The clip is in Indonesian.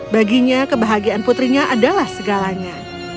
baginya kebahagiaan putrinya adalah segalanya